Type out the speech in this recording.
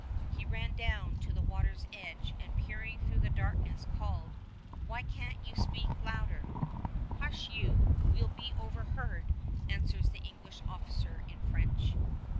He ran down to the water's edge, and peering through the darkness called, "Why can't you speak louder?" "Hush you! We 'll be overheard," answers the English officer in French.